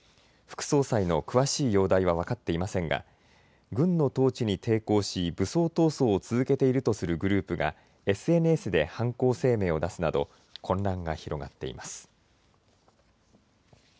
副総裁の詳しい容体は分かっていませんが軍の統治に抵抗し武装闘争を続けているとするグループがＳＮＳで犯行声明を出すなど混乱が広がっています。